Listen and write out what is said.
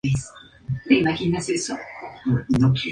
Nació en Ítaca, siendo de origen español.